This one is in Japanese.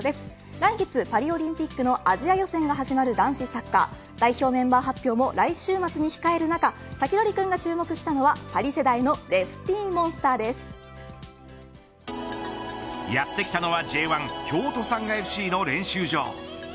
来月パリオリンピックのアジア予選が始まる男子サッカー代表メンバー発表も来週末に控える中サキドリくんが注目したのはパリ世代のやってきたのはＪ１京都サンガＦＣの練習場。